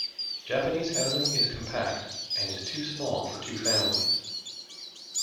Japanese housing is compact, and is too small for two families.